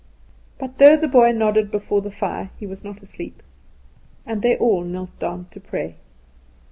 But though the boy nodded before the fire he was not asleep; and they all knelt down to pray.